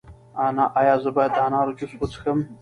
ایا زه باید د انار جوس وڅښم؟